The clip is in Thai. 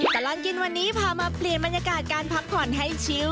ตลอดกินวันนี้พามาเปลี่ยนบรรยากาศการพักผ่อนให้ชิว